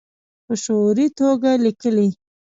په شعوري توګه لیکي